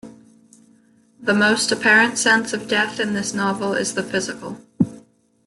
The most apparent sense of death in this novel is the physical.